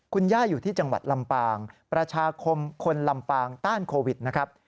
คุณย่าอยู่ที่จังหวัดลำปางประชาคมคนลำปางต้านโควิดนะครับ